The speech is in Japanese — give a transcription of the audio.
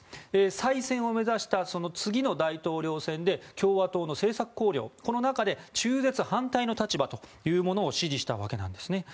再選を目指した次の大統領選で共和党の政策綱領の中で中絶反対の立場というものを支持したわけなんです。